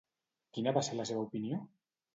Quina va ser la seva opinió?